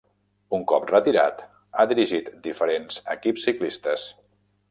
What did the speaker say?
Un cop retirat ha dirigit diferents equips ciclistes.